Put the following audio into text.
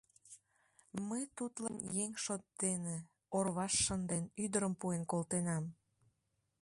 — Мый тудлан еҥ шот дене, орваш шынден, ӱдырем пуэн колтенам.